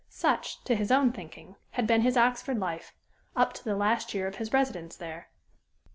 Such, to his own thinking, had been his Oxford life, up to the last year of his residence there.